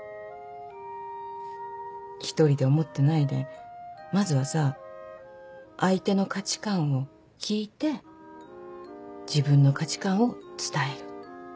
１人で思ってないでまずはさ相手の価値観を聞いて自分の価値観を伝える。